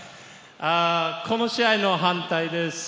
この試合の反対です。